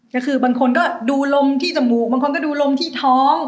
ก็คือบางคนก็ดูลมที่จมูกบางคนก็ดูลมที่ท้อง